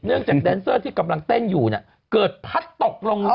จากแดนเซอร์ที่กำลังเต้นอยู่เนี่ยเกิดพัดตกลงฮะ